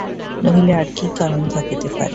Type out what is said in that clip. নহিলে আর কি কারণ থাকিতে পারে!